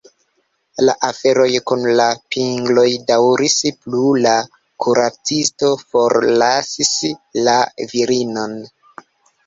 La aferoj kun la pingloj daŭris plu, la kuracisto forlasis la virinon.